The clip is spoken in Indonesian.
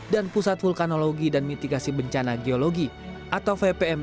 dan pusat vulkanologi dan mitigasi bencana geologi atau vpmn